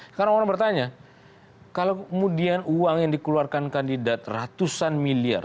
sekarang orang bertanya kalau kemudian uang yang dikeluarkan kandidat ratusan miliar